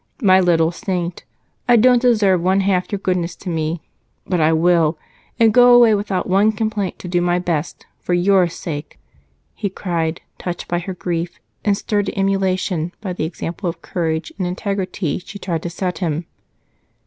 "My little saint! I don't deserve one half your goodness to me, but I will, and go away without one complaint to do my best, for your sake," he cried, touched by her grief and stirred to emulation by the example of courage and integrity she tried to set him.